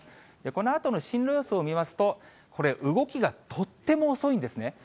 このあとの進路予想を見ますと、これ、動きがとっても遅いんですね。